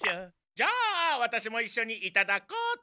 じゃあワタシもいっしょにいただこうっと。